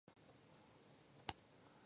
ملک په خبره کې ور ولوېد: